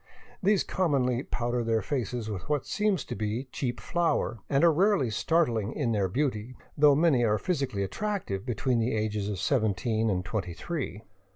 These commonly powder their faces with what seems to be cheap flour, and are rarely startling in their beauty, though many are physically attractive between the ages of seventeen and twenty three.